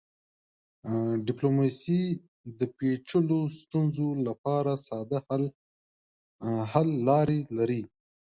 ډیپلوماسي د پیچلو ستونزو لپاره ساده حل لارې لري.